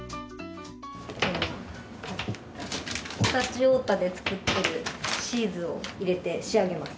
常陸太田で作ってるチーズを入れて仕上げます。